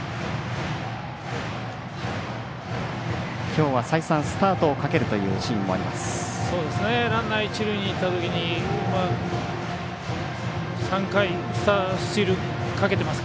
きょうは再三スタートをかけるというシーンもあります。